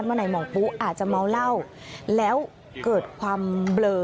ตอนนี้จะเมาเหล้าแล้วเกิดความเบลอ